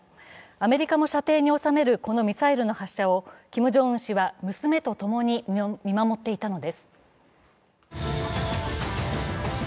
アメリカを射程に収めるこのミサイルの発射をキム・ジョンウン氏は娘とともに見守っていたのです。